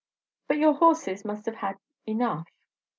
"But your horses must have had enough."